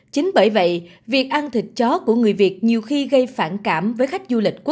chính bởi vậy việc ăn thịt chó của người việt nhiều khi gây phản cảm với khách du lịch